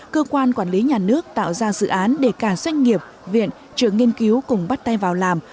cơ quan quản lý nhà nước tạo ra dự án để cả doanh nghiệp viện trường nghiên cứu cùng bắt tay vào làm